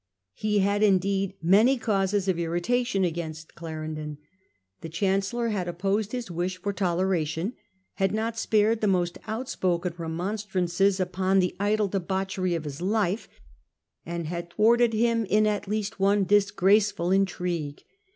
He had indeed many causes of irritation against Clarendon. The Chancellor had opposed his wish for toleration, had not spared the most outspoken remonstrances upon the idle debauchery of his life, and had thwarted him in at least one disgraceful intrigue.